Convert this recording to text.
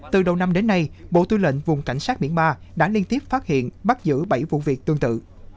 từ đầu năm đến nay bộ tư lệnh vùng cảnh sát biển ba đã liên tiếp phát hiện bắt giữ bảy vụ việc tương tự